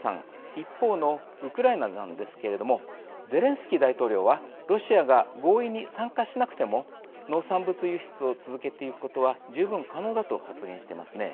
一方のウクライナなんですけれどもゼレンスキー大統領はロシアが合意に参加しなくても農産物輸出を続けてゆくことは十分可能だと発言していますね。